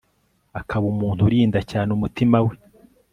akaba umuntu urinda cyane umutima we